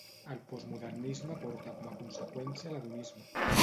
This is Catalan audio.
El postmodernisme porta com a conseqüència l'hedonisme.